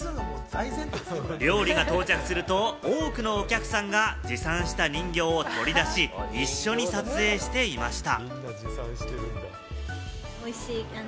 料理が到着すると、多くのお客さんが持参した人形を取り出し、一緒に撮影していました。